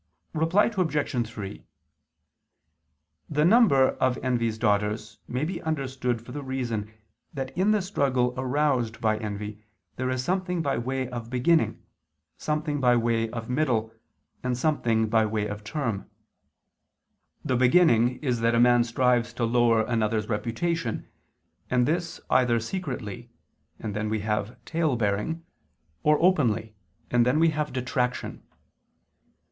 Reply Obj. 3: The number of envy's daughters may be understood for the reason that in the struggle aroused by envy there is something by way of beginning, something by way of middle, and something by way of term. The beginning is that a man strives to lower another's reputation, and this either secretly, and then we have tale bearing, or openly, and then we have _detraction.